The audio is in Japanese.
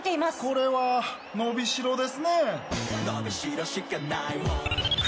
これは伸び代ですね。